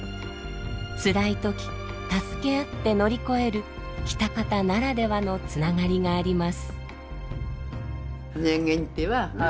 つらい時助け合って乗り越える喜多方ならではのつながりがあります。